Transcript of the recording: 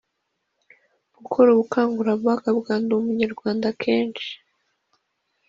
Gukora ubukangurambaga bwa Ndi Umunyarwanda kenshi